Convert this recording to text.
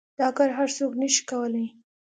دا كار هر سوك نشي كولاى.